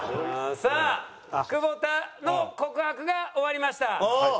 さあ久保田の告白が終わりました。